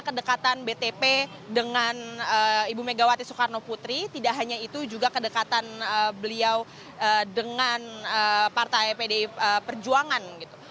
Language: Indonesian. kedekatan btp dengan ibu megawati soekarno putri tidak hanya itu juga kedekatan beliau dengan partai pdi perjuangan gitu